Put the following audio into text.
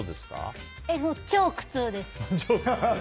超苦痛です！